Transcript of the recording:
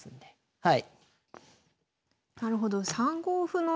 はい。